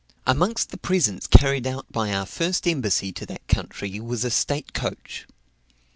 Amongst the presents carried out by our first embassy to that country was a state coach.